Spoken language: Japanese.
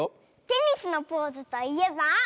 テニスのポーズといえば？